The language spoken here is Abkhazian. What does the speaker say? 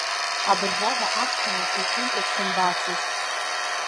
Абыржәада аԥсуа маҭәа ишәымкәа дсымбацызт.